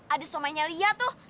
ada suaminya lia tuh